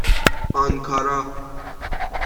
آنکارا